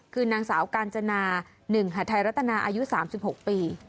คือนางสาวกาญจนา๑หาทัยรัตนาอายุ๓๖ปี